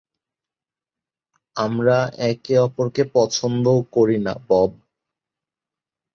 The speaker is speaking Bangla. আমরা একে অপরকে পছন্দও করি না, বব।